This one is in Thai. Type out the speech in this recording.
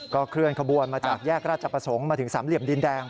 เคลื่อนขบวนมาจากแยกราชประสงค์มาถึงสามเหลี่ยมดินแดง